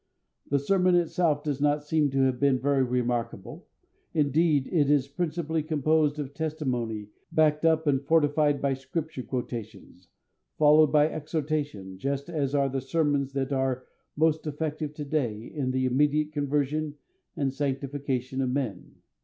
The sermon itself does not seem to have been very remarkable; indeed, it is principally composed of testimony backed up and fortified by Scripture quotations, followed by exhortation, just as are the sermons that are most effective to day in the immediate conversion and sanctification of men.